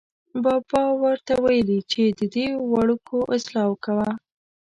بابا ور ته ویلې چې ددې وړکو اصلاح کوه.